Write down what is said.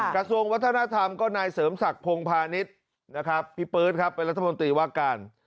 กระทรวงวัฒนธรรมก็นายเสริมศักดิ์พงพาณิชย์นะครับพี่ปื๊ดครับเป็นรัฐมนตรีว่าการ